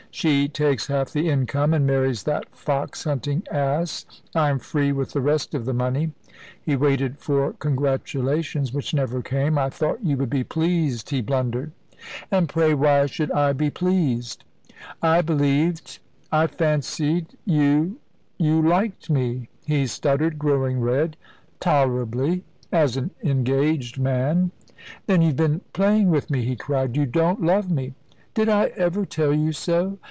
"She takes half the income, and marries that fox hunting ass. I am free with the rest of the money"; he waited for congratulations which never came. "I thought you would be pleased," he blundered. "And pray why should I be pleased?" "I believed I fancied you you liked me," he stuttered, growing red. "Tolerably as an engaged man." "Then you've been playing with me?" he cried; "you don't love me?" "Did I ever tell you so?"